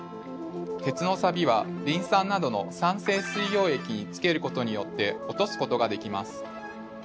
鉄のサビはリン酸などの酸性水溶液につけることによって落とすことができます。